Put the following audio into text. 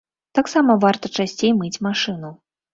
Таксама варта часцей мыць машыну.